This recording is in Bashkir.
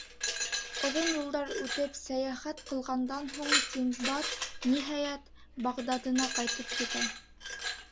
Оҙон юлдар үтеп, сәйәхәт ҡылғандан һуң, Синдбад, ниһайәт, Бағдадына ҡайтып етә.